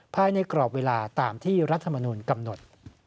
ภายในกรอบเวลาตามที่รัฐมนุนกำหนด